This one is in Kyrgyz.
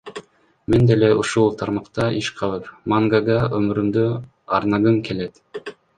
Мен деле ушул тармакта иш кылып, мангага өмүрүмдү арнагым келет.